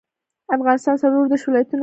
افغانستان څلوردیش ولایتونه لري.